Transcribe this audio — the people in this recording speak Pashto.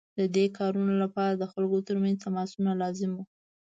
د دې کارونو لپاره د خلکو ترمنځ تماسونه لازم وو.